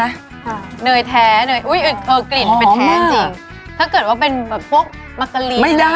ค่ะเหนยแท้เกลิ่นเป็นแท้จริงถ้าเกิดว่าเป็นพวกมากาลีนอะไรแบบนี้เนอะ